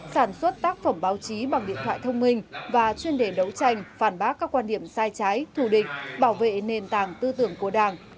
sản xuất tác phẩm báo chí bằng điện thoại thông minh và chuyên đề đấu tranh phản bác các quan điểm sai trái thù định bảo vệ nền tảng tư tưởng của đảng